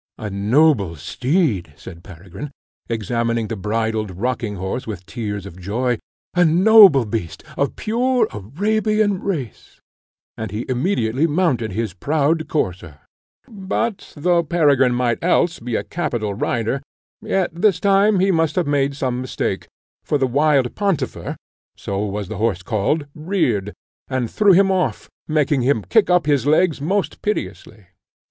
"A noble steed," said Peregrine, examining the bridled rocking horse with tears of joy "a noble beast, of pure Arabian race;" and he immediately mounted his proud courser; but though Peregrine might else be a capital rider, yet this time he must have made some mistake, for the wild Pontifer (so was the horse called) reared, and threw him off, making him kick up his legs most piteously.